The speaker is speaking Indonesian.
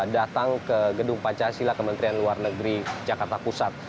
datang ke gedung pancasila kementerian luar negeri jakarta pusat